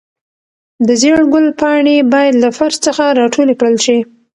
د زېړ ګل پاڼې باید له فرش څخه راټولې کړل شي.